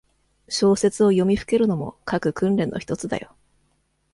小説を読みふけるのも、書く訓練のひとつだよ。